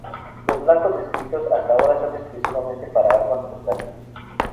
Los blancos descritos hasta ahora son exclusivamente para armas portátiles.